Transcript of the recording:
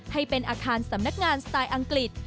ให้เป็นอาคารสำนักงานสไตล์อังกฤษ